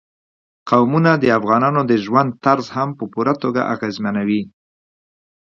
قومونه د افغانانو د ژوند طرز هم په پوره توګه اغېزمنوي.